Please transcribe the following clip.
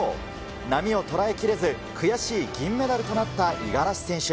波を捉えきれず、悔しい銀メダルとなった五十嵐選手。